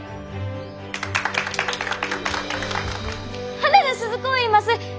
花田鈴子いいます！